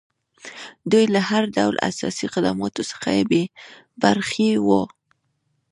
دوی له هر ډول اساسي خدماتو څخه بې برخې وو.